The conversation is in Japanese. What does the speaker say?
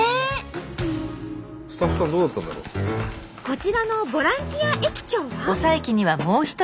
こちらのボランティア駅長は。